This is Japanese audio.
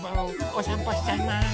おさんぽしちゃいます。